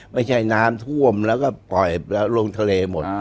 ไม่ใช่น้ำท่วมแล้วก็ปล่อยลงทะเลหมด